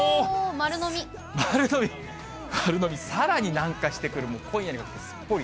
丸飲み、丸飲み、さらに南下してくる、今夜になってすっぽり。